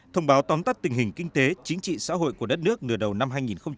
thông báo tóm tắt tình hình kinh tế chính trị xã hội của đất nước nửa đầu năm hai nghìn hai mươi